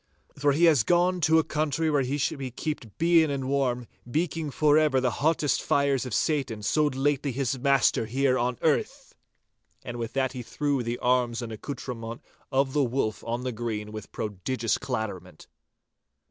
For he has gone to a country where he shall be keeped bien and warm, beiking forever foment the hottest fires of Satan, so lately his master here on earth!' And with that he threw the arms and accoutrement of the Wolf on the green with prodigious clatterment.